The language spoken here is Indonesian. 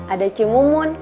ada cim umun